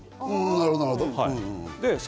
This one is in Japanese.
なるほど。